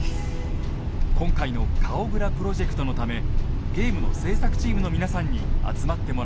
今回の「顔グラプロジェクト」のためゲームの制作チームの皆さんに集まってもらいました。